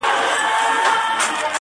هم ښایسته هم په ځان غټ هم زورور دی-